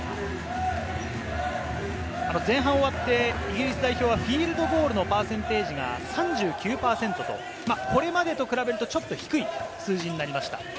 前半終わって、イギリス代表はフィールドゴールのパーセンテージが３９％と、これまでと比べると、ちょっと低い数字になりました。